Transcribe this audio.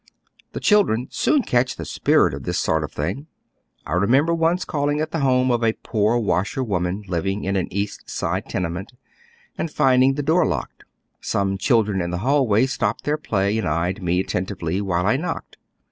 The children soon catch the spirit of this sort of thing. I remember once calling at the home of a poor washer woman living in an East Side tenement, and finding the door locked. Some children in the hallway stopped their play and eyed me attentively while I knocked.